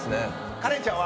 カレンちゃんは？